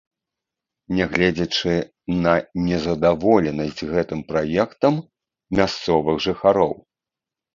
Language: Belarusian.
Нягледзячы на незадаволенасць гэтым праектам мясцовых жыхароў.